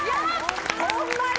ホンマに？